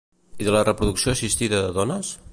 I de la reproducció assistida de dones?